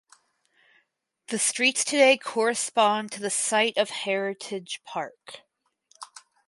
The streets today correspond to the site of "Heritage Park".